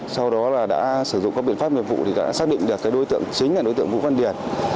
sau đó đã sử dụng các biện pháp mệnh vụ đã xác định được đối tượng chính là đối tượng vũ văn điền